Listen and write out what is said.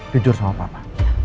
jujur sama papa